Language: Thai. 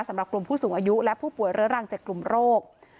สำหรับกลุ่มผู้สูงอายุและผู้ป่วยเรื้อรัง๗กลุ่มโรค